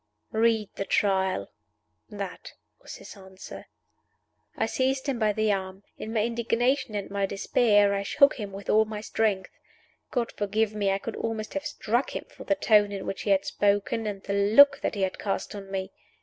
"Read the Trial." That was his answer. I seized him by the arm. In my indignation and my despair I shook him with all my strength. God forgive me, I could almost have struck him for the tone in which he had spoken and the look that he had cast on me!